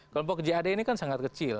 kelompok jad ini kan sangat kecil